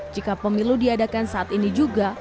jika pemilu diadakan saat ini juga